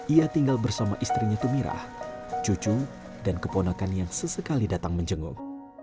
ia tinggal bersama istrinya tumirah cucu dan keponakan yang sesekali datang menjenguk